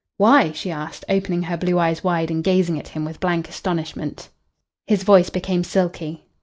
"Why?" she asked, opening her blue eyes wide and gazing at him with blank astonishment. His voice became silky.